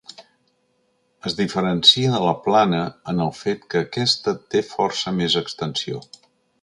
Es diferencia de la plana en el fet que aquesta té força més extensió.